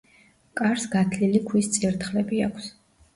კარს გათლილი ქვის წირთხლები აქვს.